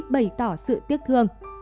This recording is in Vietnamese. bày tỏ sự tiếc thương